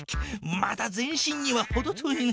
まだ全身にはほど遠いな。